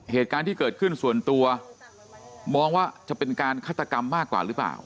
เหตุการณ์ที่เกิดขึ้นส่วนตัวมองว่าจะเป็นการฆาตกรรมมากกว่าหรือเปล่า